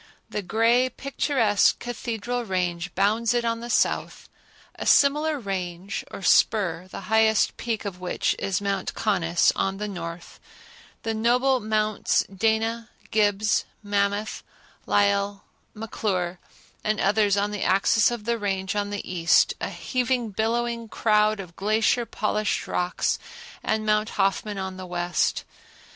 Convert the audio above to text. The gray, picturesque Cathedral Range bounds it on the south; a similar range or spur, the highest peak of which is Mount Conness, on the north; the noble Mounts Dana, Gibbs, Mammoth, Lyell, McClure and others on the axis of the Range on the east; a heaving, billowing crowd of glacier polished rocks and Mount Hoffman on the west.